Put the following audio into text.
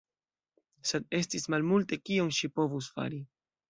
Sed estis malmulte kion ŝi povus fari.